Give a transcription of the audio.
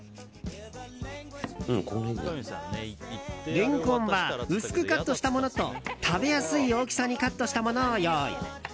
レンコンは薄くカットしたものと食べやすい大きさにカットしたものを用意。